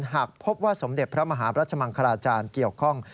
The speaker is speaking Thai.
หากพบว่าสมเด็จพระมหารัชมังคลาจารย์เกี่ยวข้อง